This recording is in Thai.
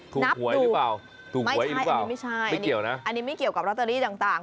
หวยหรือเปล่าถูกไหมอันนี้ไม่ใช่ไม่เกี่ยวนะอันนี้ไม่เกี่ยวกับลอตเตอรี่ต่าง